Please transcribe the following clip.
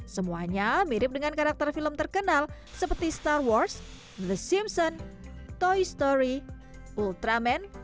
semuanya mirip dengan karakter film terkenal seperti star wars the simpsons toy story ultraman